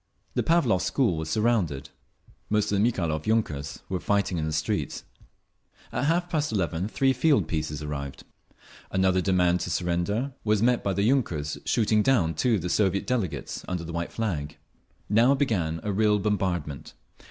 The Pavlovsk school was surrounded. Most of the Mikhailov yunkers were fighting in the streets…. At half past eleven three field pieces arrived. Another demand to surrender was met by the yunkers shooting down two of the Soviet delegates under the white flag. Now began a real bombardment.